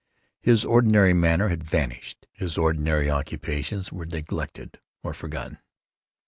His ordinary manner had vanished. His ordinary occupations were neglected or forgotten.